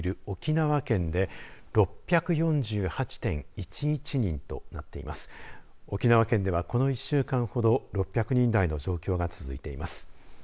沖縄県では、この１週間ほど６００人台の状況が続いています。